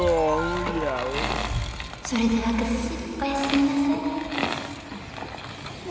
それではぐっすりおやすみなさい。